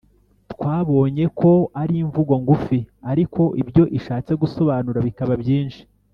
twabonye ko ari imvugo ngufi ariko ibyo ishatse gusobanura bikaba byinshi.